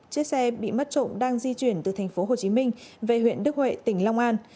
chiếc xe bị mất trộm đang di chuyển từ tp hcm về huyện đức huệ tỉnh long an